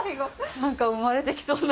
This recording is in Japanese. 何か生まれてきそうな。